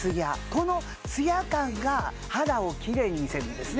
このツヤ感が肌をキレイに見せるんですね